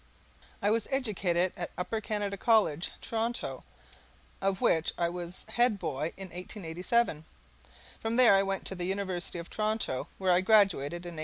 I was educated at Upper Canada College, Toronto, of which I was head boy in 1887. From there I went to the University of Toronto, where I graduated in 1891.